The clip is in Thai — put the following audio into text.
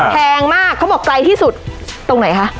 แพงมากเขาบอกไกลที่สุดตรงไหนคะ